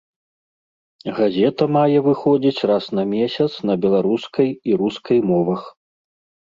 Газета мае выходзіць раз на месяц на беларускай і рускай мовах.